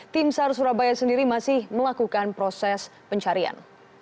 tim sar surabaya sendiri masih melakukan proses pencarian